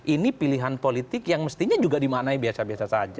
ini pilihan politik yang mestinya juga dimanai biasa biasa saja